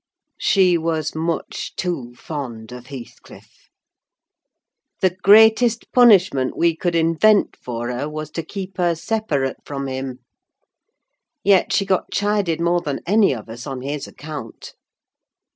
She was much too fond of Heathcliff. The greatest punishment we could invent for her was to keep her separate from him: yet she got chided more than any of us on his account.